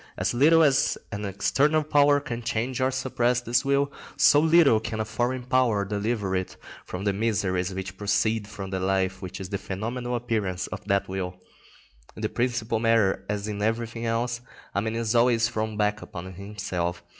As little as an external power can change or suppress this will, so little can a foreign power deliver it from the miseries which proceed from the life which is the phenomenal appearance of that will. In the principal matter, as in everything else, a man is always thrown back upon himself.